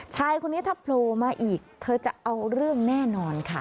ชายคนนี้ถ้าโผล่มาอีกเธอจะเอาเรื่องแน่นอนค่ะ